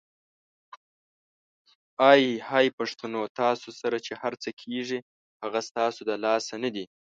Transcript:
آی های پښتنو ! تاسو سره چې هرڅه کیږي هغه ستاسو د لاسه ندي؟!